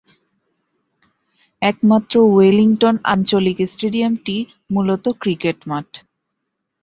একমাত্র ওয়েলিংটন আঞ্চলিক স্টেডিয়াম-টি মূলত ক্রিকেট মাঠ।